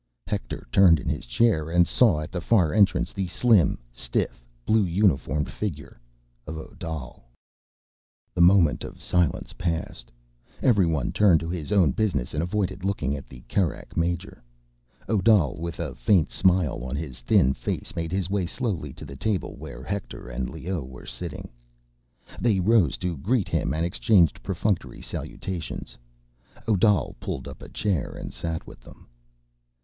Hector turned in his chair and saw at the far entrance the slim, stiff, blue uniformed figure of Odal. The moment of silence passed. Everyone turned to his own business and avoided looking at the Kerak major. Odal, with a faint smile on his thin face, made his way slowly to the table where Hector and Leoh were sitting. They rose to greet him and exchanged perfunctory salutations. Odal pulled up a chair and sat with them.